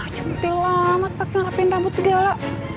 cantik banget pake ngerapin rambut segala